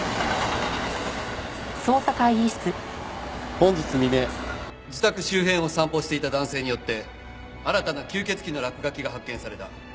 本日未明自宅周辺を散歩していた男性によって新たな吸血鬼の落書きが発見された。